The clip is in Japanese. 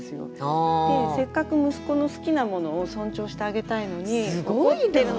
せっかく息子の好きなものを尊重してあげたいのに怒ってる。